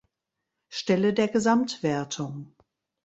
Stelle der Gesamtwertung.